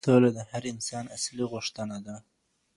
سوله د هر انسان اصلي غوښتنه ده.